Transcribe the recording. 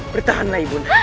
bertahanlah ibu anda